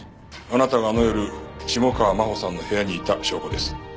あなたがあの夜下川真帆さんの部屋にいた証拠です。